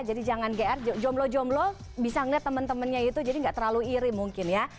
jadi jangan gr jomblo jomblo bisa ngeliat temen temennya itu jadi gak terlalu iri mungkin ya